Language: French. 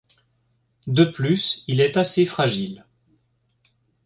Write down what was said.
De plus, il est assez fragile.